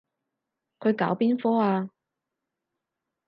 佢搞邊科啊？